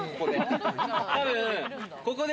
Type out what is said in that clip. ここで。